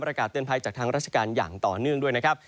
อากาศเตือนภัยจากทางราชการอย่างต่อเนื่องด้วยนะครับ